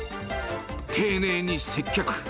丁寧に接客。